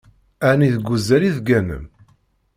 Ɛni deg uzal i tegganem?